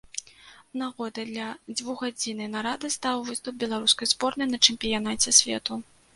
Нагодай для дзвюхгадзіннай нарады стаў выступ беларускай зборнай на чэмпіянаце свету.